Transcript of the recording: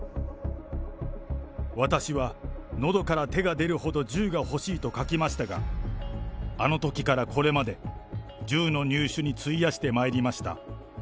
私は喉から手が出るほど銃が欲しいと書きましたが、あのときからこれまで、銃の入手に費やしてまいりました。